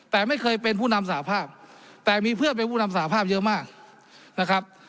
แต่ไม่เคยเป็นผู้นำสภาพแต่มีเพื่อนเป็นผู้นำสหภาพเยอะมากนะครับ